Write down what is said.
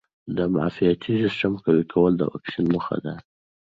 د معافیتي سیسټم قوي کول د واکسین موخه ده.